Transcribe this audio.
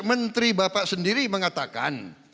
menteri bapak sendiri mengatakan